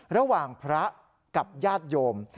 ระหว่างพระกับญาติโยม